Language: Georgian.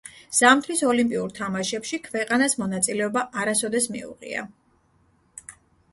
ზამთრის ოლიმპიურ თამაშებში ქვეყანას მონაწილეობა არასოდეს მიუღია.